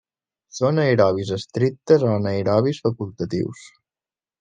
Són aerobis estrictes o anaerobis facultatius.